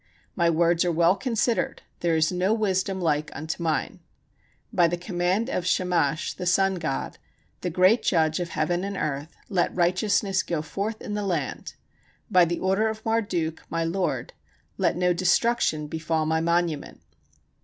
My words are well considered; there is no wisdom like unto mine. By the command of Shamash [the sun god], the great judge of heaven and earth, let righteousness go forth in the land: by the order of Marduk, my lord, let no destruction befall my monument.